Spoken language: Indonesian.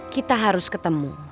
kita harus ketemu